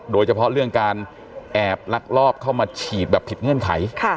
โดยเฉพาะเรื่องการแอบลักลอบเข้ามาฉีดแบบผิดเงื่อนไข